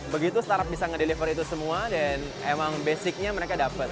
begitu startup bisa ngedeliver itu semua dan emang basicnya mereka dapat